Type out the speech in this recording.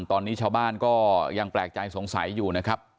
ตอนนี้ชาวบ้านก็ยังแปลกใจสงสัยอยู่นะครับ